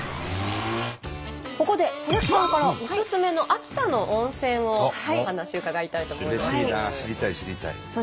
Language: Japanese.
ここで佐々木さんからおすすめの秋田の温泉のお話伺いたいと思います。